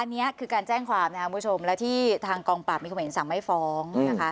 อันนี้คือการแจ้งความนะครับคุณผู้ชมและที่ทางกองปราบมีความเห็นสั่งไม่ฟ้องนะคะ